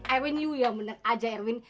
erwin you yang bener aja erwin